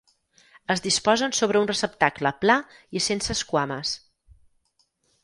Es disposen sobre un receptacle pla i sense esquames.